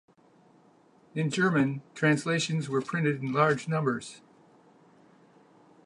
In German, translations were printed in large numbers.